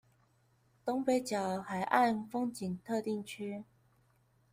東北角海岸風景特定區